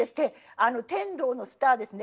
天童のスターですね